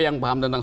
yang paham tentang